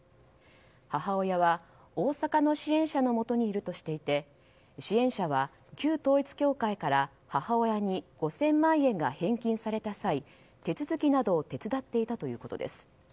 母親は、大阪の支援者のもとにいるとしていて支援者は旧統一教会から母親に５０００万円が返金された際手続きなどを手伝っていたということです。